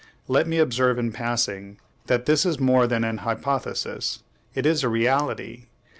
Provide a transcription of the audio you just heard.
Let me observe in passing that this is more than an hypothesis; it is a reality.